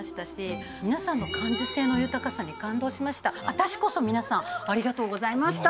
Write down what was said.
私こそ皆さんありがとうございました。